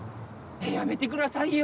やめてくださいよ。